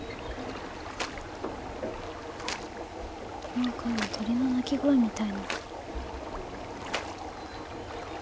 なんか鳥の鳴き声みたいな。